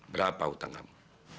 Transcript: berapa utang kamu